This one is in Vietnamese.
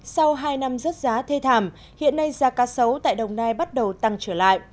sau hai năm rớt giá thê thảm hiện nay giá cá sấu tại đồng nai bắt đầu tăng trở lại